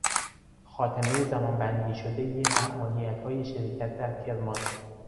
خاتمهی زمانبندی شدهی فعالیتهای شرکت در کرمان